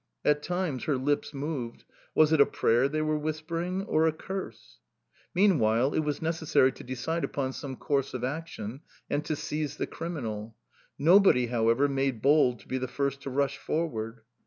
At times her lips moved... Was it a prayer they were whispering, or a curse? Meanwhile it was necessary to decide upon some course of action and to seize the criminal. Nobody, however, made bold to be the first to rush forward.